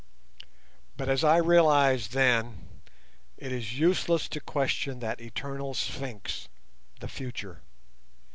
But as I realised then, it is useless to question that eternal Sphinx, the future.